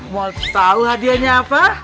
mau tahu hadiahnya apa